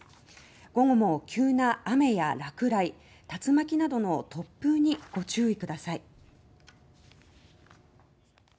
午後も急な雨や落雷竜巻などの突風にご注意ください。